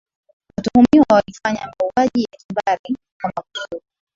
watuhumiwa walifanya mauaji ya kimbari kwa makusudi